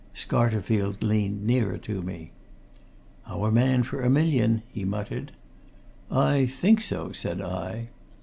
Scarterfield leaned nearer to me. "Our man for a million!" he muttered. "I think so," said I.